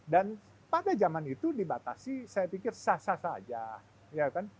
dan pada zaman itu dibatasi saya pikir sah sah saja